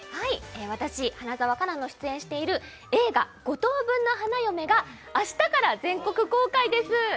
私、花澤香菜の出演している映画「五等分の花嫁」が明日から全国公開です。